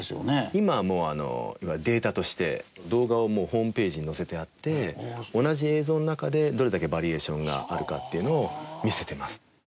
今はもういわゆるデータとして動画をもうホームページに載せてあって同じ映像の中でどれだけバリエーションがあるかっていうのを見せてます。